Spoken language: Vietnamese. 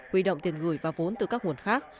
huy động tiền gửi và vốn từ các nguồn khác